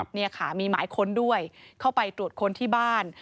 นี่ค่ะมีหมายค้นด้วยเข้าไปตรวจค้นที่บ้าน